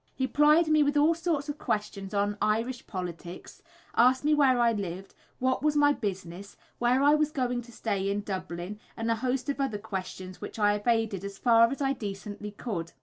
He plied me with all sorts of questions on Irish politics, asked me where I lived, what was my business, where I was going to stay in Dublin, and a host of other questions which I evaded as far as I decently could.